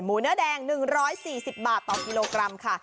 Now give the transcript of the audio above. เนื้อแดง๑๔๐บาทต่อกิโลกรัมค่ะ